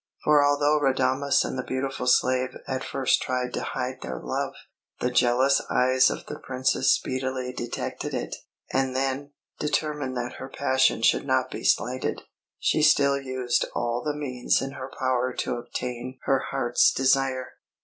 For although Radames and the beautiful slave at first tried to hide their love, the jealous eyes of the Princess speedily detected it; and then, determined that her passion should not be slighted, she still used all the means in her power to obtain her heart's desire.